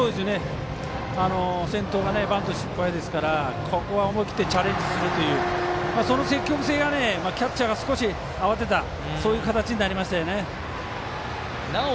先頭がバント失敗ですからここは思い切ってチャレンジするというその積極性が、キャッチャーが少し慌てた形になりましたね。